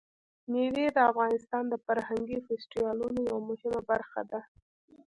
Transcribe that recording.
مېوې د افغانستان د فرهنګي فستیوالونو یوه مهمه برخه ده.